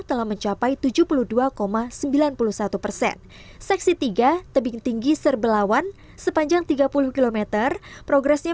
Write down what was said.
telah mencapai tujuh puluh dua sembilan puluh satu persen seksi tiga tebing tinggi serbelawan sepanjang tiga puluh km progresnya